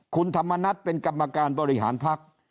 คุณธรรมนัฏเป็นกรรมการบริหารพัก